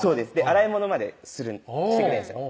洗い物までしてくれるんですよ